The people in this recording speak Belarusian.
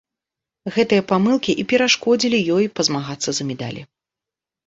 Гэтыя памылкі і перашкодзілі ёй пазмагацца за медалі.